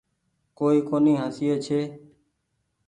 ڪوئي ڪونيٚ هسئي ڇي۔